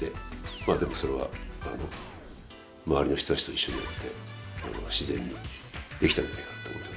まあでもそれは周りの人たちと一緒にやって自然にできたんじゃないかなと思ってます。